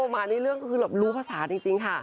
มาในเรื่องก็คือแบบรู้ภาษาจริงค่ะ